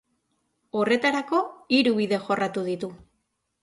Horretarako, hiru bide jorratu ditu.